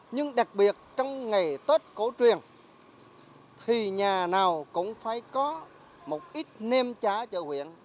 nhưng đặc biệt trong ngày tết cổ truyền thì nhà nào cũng phải có một ít nem chả chợ huyện